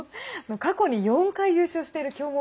過去に４回優勝している強豪